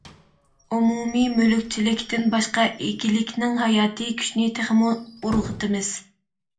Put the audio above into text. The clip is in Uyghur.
ئومۇمىي مۈلۈكچىلىكتىن باشقا ئىگىلىكنىڭ ھاياتىي كۈچىنى تېخىمۇ ئۇرغۇتىمىز.